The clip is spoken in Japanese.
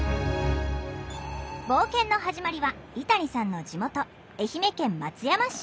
冒険の始まりは井谷さんの地元愛媛県松山市。